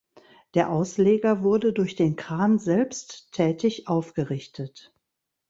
Der Ausleger wurde durch den Kran selbsttätig aufgerichtet.